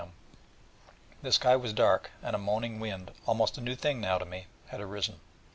M. The sky was dark, and a moaning wind almost a new thing now to me had arisen.